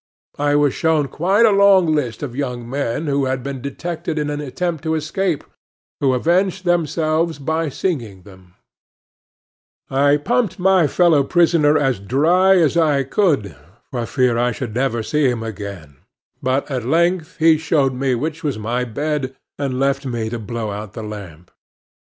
I was shown quite a long list of verses which were composed by some young men who had been detected in an attempt to escape, who avenged themselves by singing them. I pumped my fellow prisoner as dry as I could, for fear I should never see him again; but at length he showed me which was my bed, and left me to blow out the lamp.